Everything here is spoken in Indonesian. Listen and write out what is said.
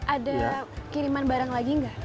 ada kiriman barang lagi nggak